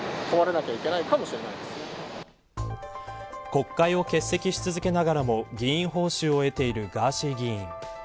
国会を欠席し続けながらも議員報酬を得ているガーシー議員。